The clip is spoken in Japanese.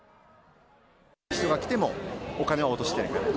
人が来てもお金を落としていかない。